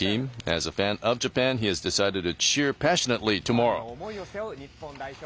ファンの思いを背負う日本代表。